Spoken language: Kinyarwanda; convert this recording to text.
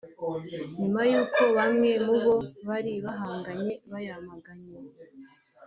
nyuma y’uko bamwe mu bo bari bahanganye bayamaganye